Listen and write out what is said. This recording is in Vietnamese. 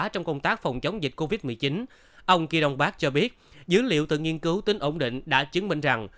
trong công tác phòng chống dịch covid một mươi chín ông kỳ đồng pháp cho biết dữ liệu từ nghiên cứu tính ổn định đã chứng minh rằng